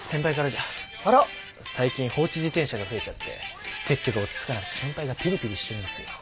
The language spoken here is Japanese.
最近放置自転車が増えちゃって撤去が追っつかなくて先輩がピリピリしてるんですよ。